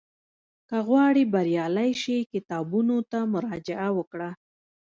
که غواړې بریالی شې، کتابونو ته مراجعه وکړه.